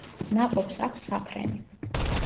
ნაყოფს აქვს საფრენი.